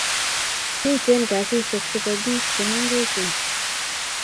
Mmiten kasishek che bo pik che mengechen